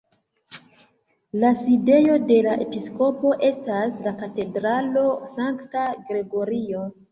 La sidejo de la episkopo estas la katedralo Sankta Gregorio.